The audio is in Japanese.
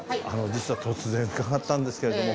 実は突然伺ったんですけれども。